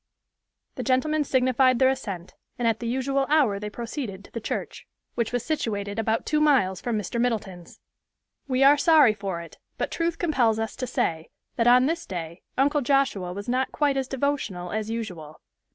The gentlemen signified their assent, and at the usual hour they proceeded to the church, which was situated about two miles from Mr. Middleton's. We are sorry for it, but truth compels us to say that on this day Uncle Joshua was not quite as devotional as usual.